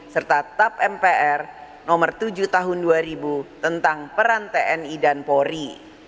serta tap mpr nomor tujuh tahun dua ribu tentang peran tni dan polri